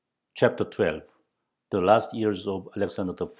] CHAPTER XII THE LAST YEARS OF ALEXANDER I.